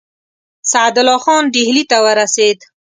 سعدالله خان ډهلي ته ورسېد.